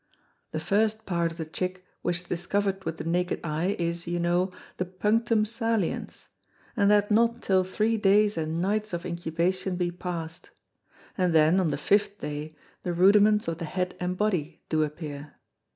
The first Part of the Chick which is discovered with the naked Eye, is, you know, the Punctum saliens, and that not till three days and nights of Incubation be past; and then, on the fifth day, the Rudiments of the Head and Body do appear.